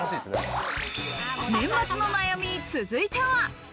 年末の悩み、続いては。